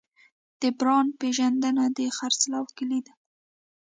د برانډ پیژندنه د خرڅلاو کلید دی.